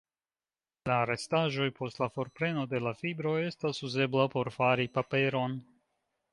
La restaĵoj post la forpreno de la fibroj estas uzebla por fari paperon.